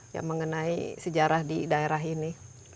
ya mengenai sejarah di daerah ini